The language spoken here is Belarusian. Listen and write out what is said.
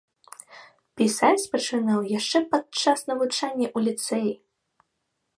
Пісаць пачынаў яшчэ падчас навучання ў ліцэі.